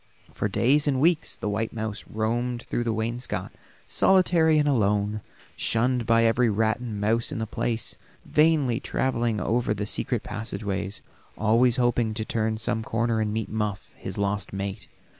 For days and weeks the white mouse roamed through the wainscot solitary and alone, shunned by every rat and mouse in the place, vainly traveling over the secret passageways, always hoping to turn some corner and meet Muff, his lost mate.